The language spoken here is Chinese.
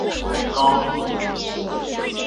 高翥人。